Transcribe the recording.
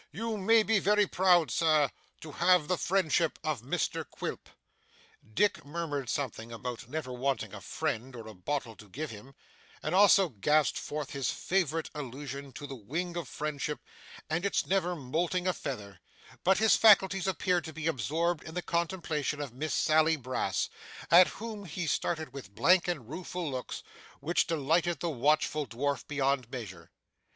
You may be very proud, Sir, to have the friendship of Mr Quilp.' Dick murmured something about never wanting a friend or a bottle to give him, and also gasped forth his favourite allusion to the wing of friendship and its never moulting a feather; but his faculties appeared to be absorbed in the contemplation of Miss Sally Brass, at whom he stared with blank and rueful looks, which delighted the watchful dwarf beyond measure.